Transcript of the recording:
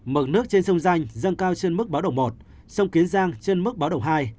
mực nước trên sông danh dâng cao trên mức báo độ một sông kiến giang trên mức báo độ hai